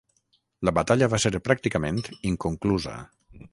La batalla va ser pràcticament inconclusa.